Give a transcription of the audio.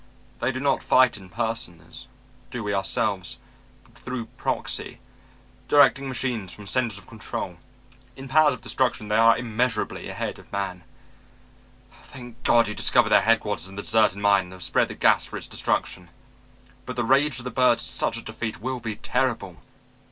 "They do not fight in person, as do we ourselves, but through proxy, directing machines from centers of control. In powers of destruction, they are immeasurably ahead of man. Thank God you discovered their headquarters in the deserted mine and have spread the gas for its destruction. But the rage of the birds at such a defeat will be terrible.